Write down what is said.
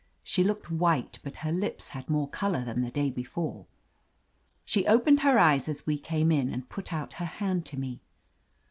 She looked white, but her lips had more color than the day before. She opened her eyes as we came in, and put out her hand to me.